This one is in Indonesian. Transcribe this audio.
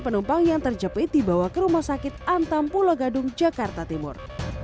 penumpang yang terjepit dibawa ke rumah sakit antam pulau gadung jakarta timur